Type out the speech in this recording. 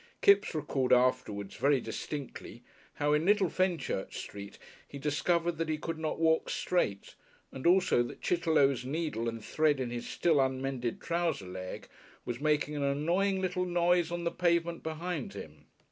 Kipps recalled afterwards very distinctly how in Little Fenchurch Street he discovered that he could not walk straight and also that Chitterlow's needle and thread in his still unmended trouser leg was making an annoying little noise on the pavement behind him.